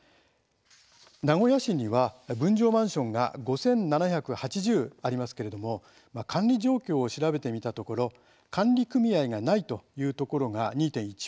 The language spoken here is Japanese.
名古屋市には分譲マンションが５７８０ありますけれども管理状況を調べてみたところ管理組合がないというところが２．１％